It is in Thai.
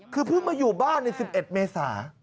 คือเพิ่งมาอยู่บ้านใน๑๑เมษา